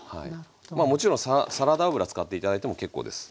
もちろんサラダ油使って頂いても結構です。